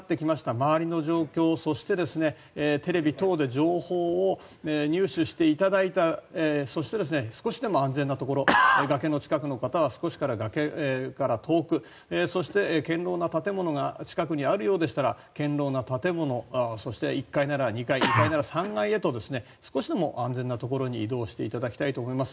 周りの状況、そしてテレビ等で情報を入手していただいてそして、少しでも安全なところ崖の近くの方は少し崖から遠くそして、堅牢な建物が近くにあるようでしたら堅牢な建物そして、１階なら２階２階なら３階へと少しでも安全なところに移動していただきたいと思います。